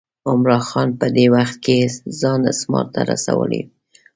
عمرا خان په دې وخت کې ځان اسمار ته رسولی و.